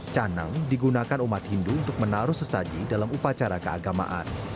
canang digunakan umat hindu untuk menaruh sesaji dalam upacara keagamaan